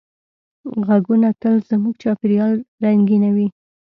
غږونه تل زموږ چاپېریال رنګینوي.